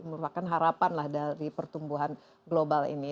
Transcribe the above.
merupakan harapan lah dari pertumbuhan global ini